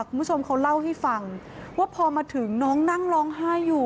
คุณผู้ชมเขาเล่าให้ฟังว่าพอมาถึงน้องนั่งร้องไห้อยู่